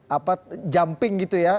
apa jumping gitu ya